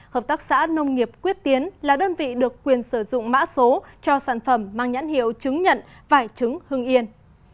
hợp tác xã nông nghiệp quyết tiến là đơn vị được quyền sử dụng mã số cho sản phẩm mang nhãn hiệu chứng nhận vải trứng hưng yên